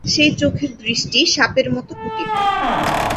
সেই চোখের দৃষ্টি সাপের মতো কুটিল।